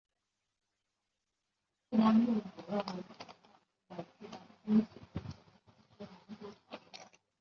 夏尔被他的侄子推翻下台后加洛林王朝的大帝国正式四分五裂了。